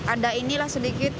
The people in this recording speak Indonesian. ada inilah sedikit